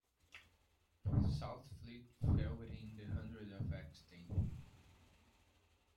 Southfleet fell within the Hundred of Axstane.